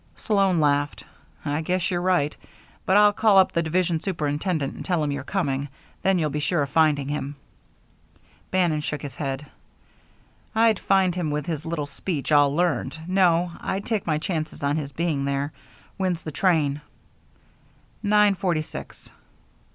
Sloan laughed. "I guess you're right. But I'll call up the division superintendent and tell him you're coming. Then you'll be sure of finding him." Bannon shook his head. "I'd find him with his little speech all learned. No, I'll take my chances on his being there. When's the train?" "Nine forty six."